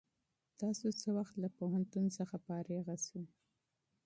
تاسو څه وخت له پوهنتون څخه فارغ شوئ؟